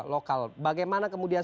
lokal bagaimana kemudian